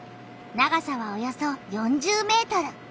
長さはおよそ４０メートル。